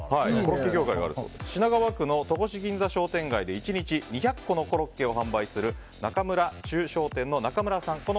更に、品川区の戸越銀座商店街で１日２００個のコロッケを販売する中村忠商店の中村さん